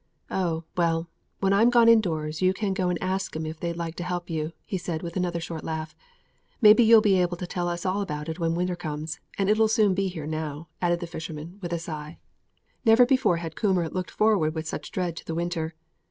"Oh, well, when I'm gone indoors you can go and ask 'em if they'd like to help you," he said, with another short laugh. "Maybe you'll be able to tell us all about it when winter comes, and it'll soon be here now," added the fisherman, with a sigh. Never before had Coomber looked forward with such dread to the winter.